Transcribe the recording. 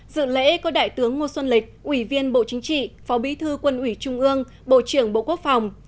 dự lễ có đại tướng ngô xuân lịch ủy viên bộ chính trị phó bí thư quân ủy trung ương bộ trưởng bộ quốc phòng